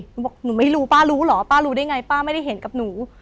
หนูบอกหนูไม่รู้ป้ารู้เหรอป้ารู้ได้ไงป้าไม่ได้เห็นกับหนู